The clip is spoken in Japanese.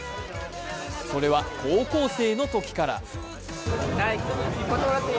それは高校生のときから。